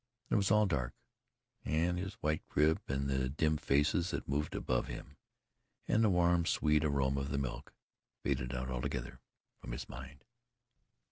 Then it was all dark, and his white crib and the dim faces that moved above him, and the warm sweet aroma of the milk, faded out altogether from his mind.